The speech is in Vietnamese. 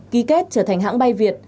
ký kết trở thành hãng bay việt